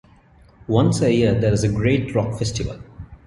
Once a year there is a great Rock festival.